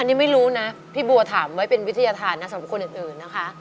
อันนี้ไม่รู้นะพี่บัวถามไว้เป็นวิทยาฐานนะสำหรับคนอื่นนะคะ